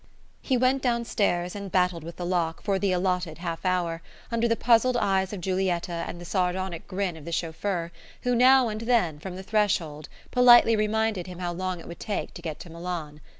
He went downstairs and battled with the lock, for the allotted half hour, under the puzzled eyes of Giulietta and the sardonic grin of the chauffeur, who now and then, from the threshold, politely reminded him how long it would take to get to Milan.